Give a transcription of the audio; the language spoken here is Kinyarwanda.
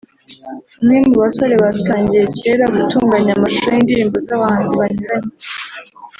umwe mu basore batangiye cyera gutunganya amashusho y’indirimbo z’abahanzi banyuranye